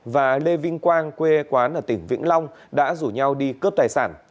và lê vinh quang quê quán ở tỉnh vĩnh long đã rủ nhau đi cướp tài sản